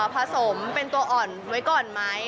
ผสมเป็นตัวอ่อนไว้ก่อนไหม